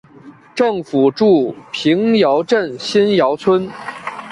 政府驻瓶窑镇新窑村。